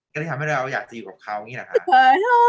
ก็เลยทำให้เราอยากจะอยู่กับเขาอย่างนี้นะคะ